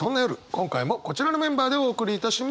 今回もこちらのメンバーでお送りいたします。